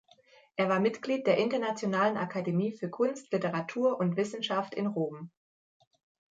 Er war Mitglied der Internationalen Akademie für Kunst, Literatur und Wissenschaft in Rom.